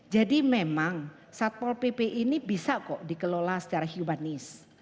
jadi memang satpol pp ini bisa kok dikelola secara humanis